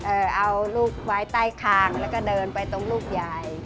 เอาลูกไว้ใต้คางแล้วก็เดินไปตรงลูกยาย